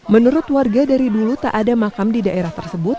menurut warga dari dulu tak ada makam di daerah tersebut